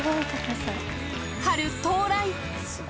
春到来。